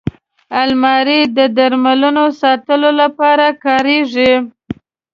الماري د درملو ساتلو لپاره کارېږي